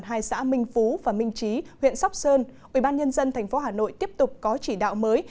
hai xã minh phú và minh trí huyện sóc sơn ubnd tp hà nội tiếp tục có chỉ đạo mới